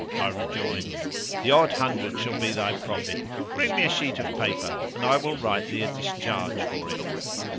I rejoined, "The odd hundred shall be thy profit: bring me a sheet of paper and I will write thee a discharge for it."